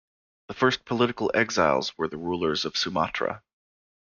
The first political exiles were the rulers of Sumatra.